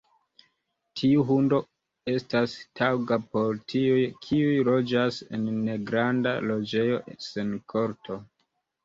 Tiu hundo estas taŭga por tiuj, kiuj loĝas en negranda loĝejo sen korto.